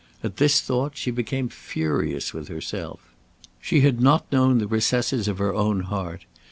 At this thought she became furious with herself. She had not known the recesses of her own heart.